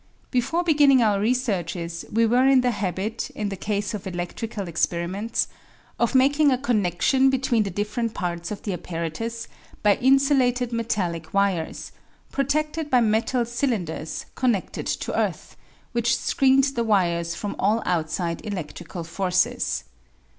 Before beginning our researches we were in the habit, in the case of eledrical experiments, of making a connedion between the different parts of the apparatus bj' insulated metallic wires, proteded by metal cylinders conneded to earth, which screened the wires from all outside eledrical forces.